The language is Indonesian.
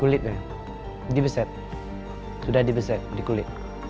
kulitnya dibeset sudah dibeset di kulit